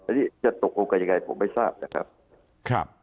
อันนี้จะตกลงกันยังไงผมไม่ทราบนะครับ